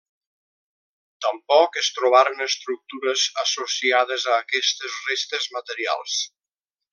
Tampoc es trobaren estructures associades a aquestes restes materials.